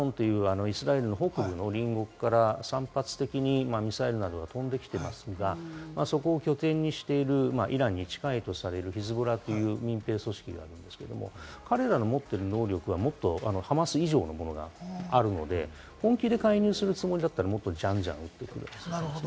隣国から散発的にミサイルが飛んできていますが、そこを拠点にしているイランに近いとされるヒズボラという民兵組織がありますけれども、彼らの持っている能力は、もっとハマス以上のものがあるので、本気で介入するつもりだったら、もっとじゃんじゃん打ってくると思います。